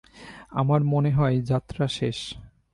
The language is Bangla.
আমার মনে হয় যাত্রা শেষ।